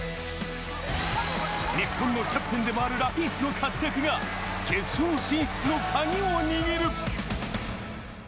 日本のキャプテンでもあるラピースの活躍が決勝進出のカギを握る。